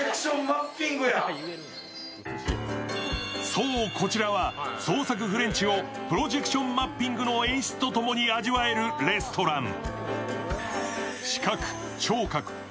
そう、こちらは創作フレンチをプロジェクションマッピングの演出と共に味わえるレストラン。